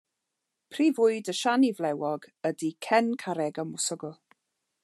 Prif fwyd y siani flewog ydy cen carreg a mwsogl.